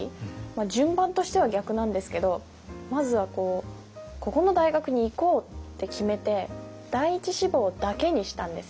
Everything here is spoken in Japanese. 順番としては逆なんですけどまずはここの大学に行こうって決めて第１志望だけにしたんです。